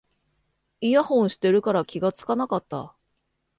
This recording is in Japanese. イヤホンしてるから気がつかなかった